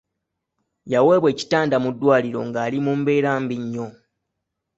Yaweebwa ekitanda mu ddwaliro ng'ali mu mbeera mbi nnyo.